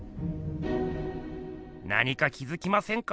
何か気づきませんか？